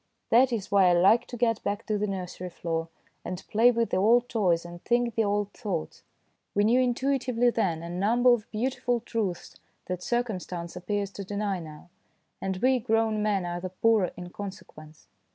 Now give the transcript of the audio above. That is why I like to get back to the nursery floor, and play with the old toys and think the old thoughts. We knew intuitively then a number of beau tiful truths that circumstance appears to deny now, and we grown men are the poorer in consequence.